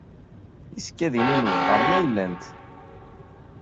Tisekkadin-inu ɣer-m ay llant.